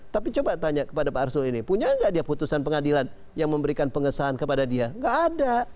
tapi coba tanya kepada pak arsul ini punya nggak dia putusan pengadilan yang memberikan pengesahan kepada dia nggak ada